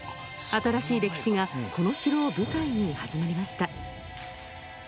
新しい歴史がこの城を舞台に始まりました。